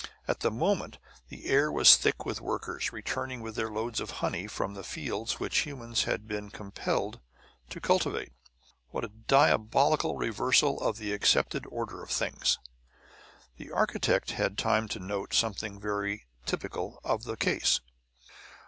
At the moment the air was thick with workers, returning with their loads of honey from the fields which the humans had been compelled to cultivate. What a diabolical reversal of the accepted order of things! The architect had time to note something very typical of the case.